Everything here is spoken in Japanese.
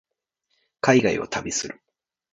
海外を旅する